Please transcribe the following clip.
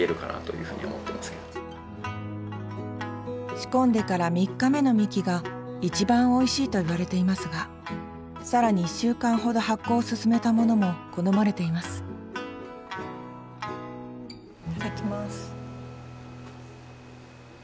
仕込んでから３日目のみきが一番おいしいといわれていますが更に１週間ほど発酵を進めたものも好まれていますいただきます。